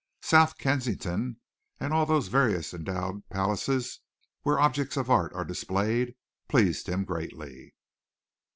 South Kensington and all those various endowed palaces where objects of art are displayed pleased him greatly.